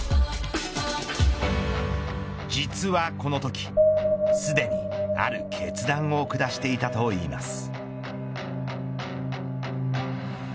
実はこのときすでにある決断を下していたといいます。